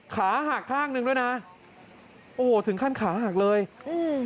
ขาหักข้างหนึ่งด้วยนะโอ้โหถึงขั้นขาหักเลยอืม